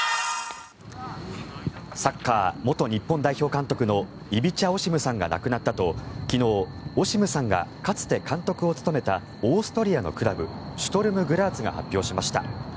サッカー元日本代表監督のイビチャ・オシムさんが亡くなったと昨日、オシムさんがかつて監督を務めたオーストリアのクラブシュトルム・グラーツが発表しました。